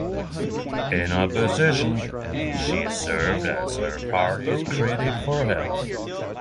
In opposition, she served as her party's Critic for Health.